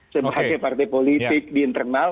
sebagai partai politik di internal